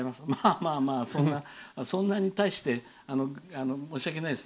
まあまあ、そんなに大して申し訳ないです。